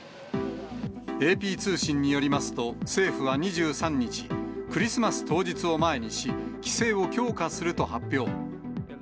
ＡＰ通信によりますと、政府は２３日、クリスマス当日を前にし、規制を強化すると発表。